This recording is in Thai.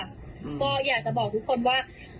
ก็อยากจะบอกทุกคนว่า